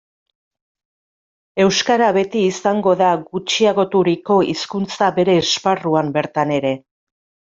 Euskara beti izango da gutxiagoturiko hizkuntza bere esparruan bertan ere.